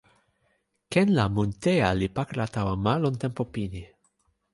ken la mun Teja li pakala tawa ma lon tenpo pini.